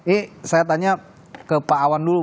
oke saya tanya ke pak wan dulu